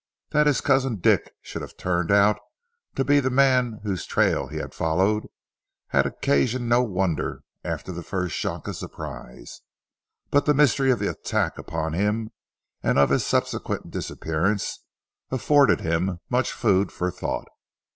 That his cousin Dick should have turned out to be the man whose trail he had followed had occasioned no wonder after the first shock of surprise; but the mystery of the attack upon him, and of his subsequent disappearance, afforded him much food for thought.